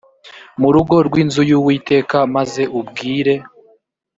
mu rugo rw inzu y uwiteka maze ubwire